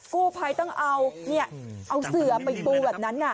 กู้ภัยต้องเอาเสือไปปูแบบนั้น